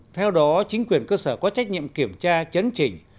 theo đó chính quyền cơ sở có trách nhiệm kiểm tra chấn chỉnh